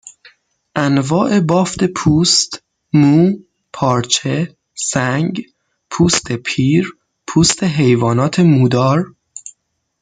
انواع بافت پوست مو پارچه سنگ پوست پیر پوست حیوانات مودار